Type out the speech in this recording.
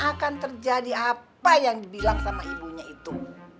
akan terjadi apa yang dibilang sama ibunya itu